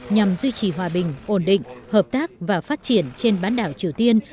nhằm duy trì hòa bình ổn định hợp tác và phát triển trên bán đảo triều tiên